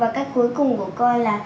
và cách cuối cùng của con là